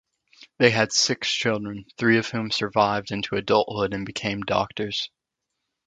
They had six children, three of whom survived into adulthood and became doctors.